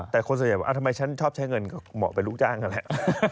แต่คนส่วนใหญ่ว่าทำไมฉันชอบใช้เงินก็เหมาะเป็นลูกจ้างนั่นแหละ